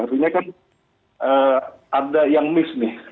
artinya kan ada yang mis nih